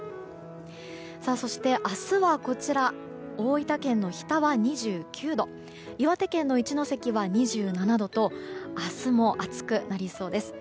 そして、明日は大分県の日田は２９度岩手県の一関は２７度と明日も暑くなりそうです。